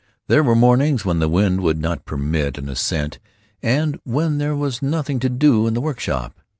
There were mornings when the wind would not permit an ascent and when there was nothing to do in the workshop.